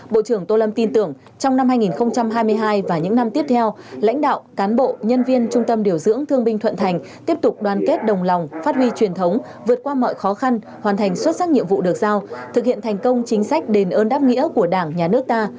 bộ trưởng tô lâm tin tưởng trong năm hai nghìn hai mươi hai và những năm tiếp theo lãnh đạo cán bộ nhân viên trung tâm điều dưỡng thương binh thuận thành tiếp tục đoàn kết đồng lòng phát huy truyền thống vượt qua mọi khó khăn hoàn thành xuất sắc nhiệm vụ được giao thực hiện thành công chính sách đền ơn đáp nghĩa của đảng nhà nước ta